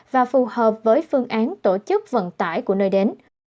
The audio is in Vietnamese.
và phù hợp với phương án tổ chức vận tải của nơi đến